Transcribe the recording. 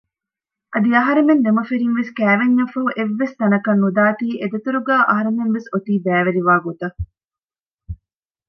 އަދި އަހަރެމެން ދެމަފިރިންވެސް ކައިވެންޏށްފަހު އެއްވެސް ތަނަކަށް ނުދާތީ އެދަތުރުގައި އަހަރެމެންވެސް އޮތީ ބައިވެރިވާގޮތަށް